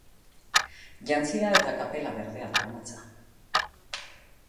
Jantzia eta kapela berdea daramatza.